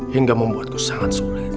hingga membuatku sangat sulit